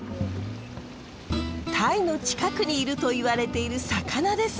タイの近くにいると言われている魚です。